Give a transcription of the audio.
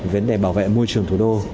về vấn đề bảo vệ môi trường thủ đô